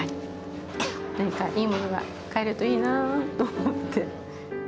何かいいものが買えるといいなと思って。